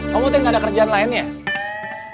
kamu tuh gak ada kerjaan lainnya